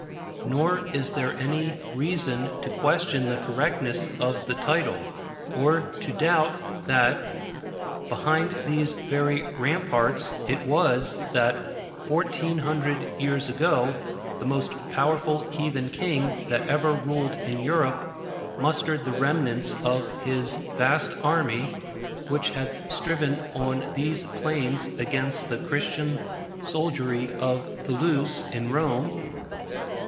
Nor is there any reason to question the correctness of the title, or to doubt that behind these very ramparts it was that, 1400 years ago, the most powerful heathen king that ever ruled in Europe mustered the remnants of his vast army, which had striven on these plains against the Christian soldiery of Thoulouse and Rome.